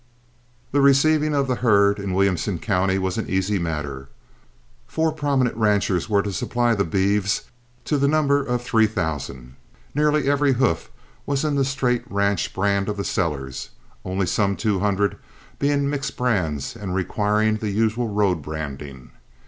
The receiving of the herd in Williamson County was an easy matter. Four prominent ranchmen were to supply the beeves to the number of three thousand. Nearly every hoof was in the straight ranch brand of the sellers, only some two hundred being mixed brands and requiring the usual road branding.